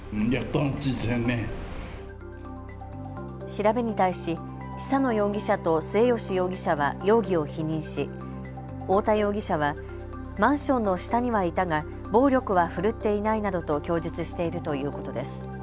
調べに対し、久野容疑者と末吉容疑者は容疑を否認し大田容疑者はマンションの下にはいたが暴力は振るっていないなどと供述しているということです。